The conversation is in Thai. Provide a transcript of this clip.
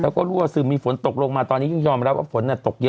แล้วก็รั่วซึมมีฝนตกลงมาตอนนี้ยิ่งยอมรับว่าฝนตกเยอะ